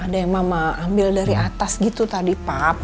ada yang mama ambil dari atas gitu tadi pup